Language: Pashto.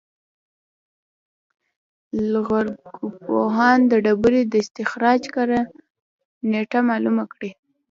لرغونپوهان د ډبرې د استخراج کره نېټه معلومه کړي.